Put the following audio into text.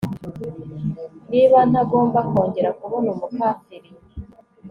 niba ntagomba kongera kubona umukafiri